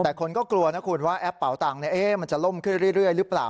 แต่คนก็กลัวนะคุณว่าแอปเป่าตังค์มันจะล่มขึ้นเรื่อยหรือเปล่า